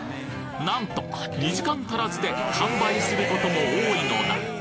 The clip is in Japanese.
なんと２時間足らずで完売することも多いのだ！